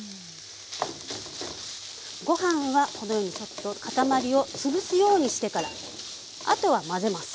ご飯はこのようにちょっと塊を潰すようにしてからあとは混ぜます。